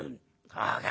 『そうか。